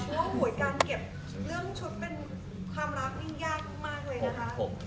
เพราะว่าหวยการเก็บเรื่องชุดเป็นความรักยิ่งยากมากเลยนะคะ